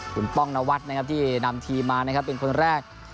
คุณป้องนวัดนะครับที่นำทีมมานะครับเป็นคนแรก